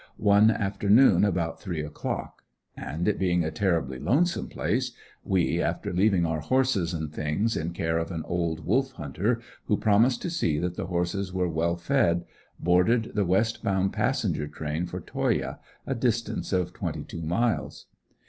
one afternoon about three o'clock. And it being a terribly lonesome place, we, after leaving our horses and things in care of an old wolf hunter who promised to see that the horses were well fed, boarded the west bound passenger train for Toyah, a distance of twenty two miles.